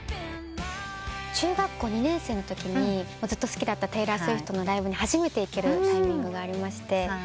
中学校２年生のときにずっと好きだったテイラー・スウィフトのライブに初めて行けるタイミングがありまして。